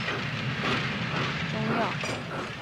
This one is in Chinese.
泽泻的根状茎是传统中药之一。